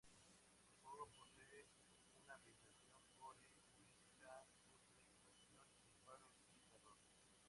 El juego posee una ambientación "Gore" y mezcla puzles, acción, disparos y terror.